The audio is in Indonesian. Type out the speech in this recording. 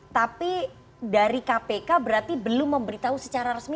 tapi dari kpk berarti belum memberitahu secara resmi